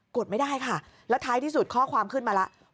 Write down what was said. ดไม่ได้ค่ะแล้วท้ายที่สุดข้อความขึ้นมาแล้ว